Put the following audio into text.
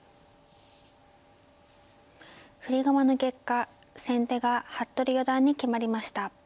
振り駒の結果先手が服部四段に決まりました。